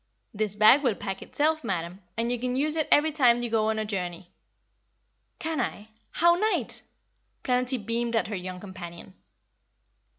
"This bag will pack itself, madam, and you can use it every time you go on a journey." "Can I? How nite!" Planetty beamed at her young companion.